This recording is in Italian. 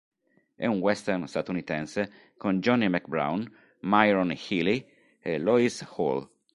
È un western statunitense con Johnny Mack Brown, Myron Healey e Lois Hall.